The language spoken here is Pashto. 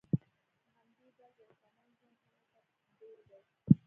په همدې ډول د انسانانو ژوند هم هلته بیل دی